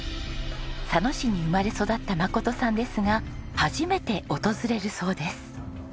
佐野市に生まれ育った眞さんですが初めて訪れるそうです。